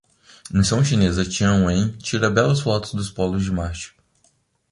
Missão chinesa Tianwen tira belas fotos dos polos de Marte